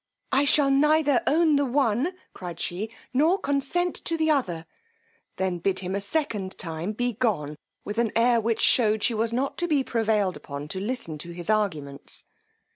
I shall neither own the one, cried she, nor consent to the other; then bid him a second time be gone, with an air which shewed she was not to be prevailed upon to listen to his arguments.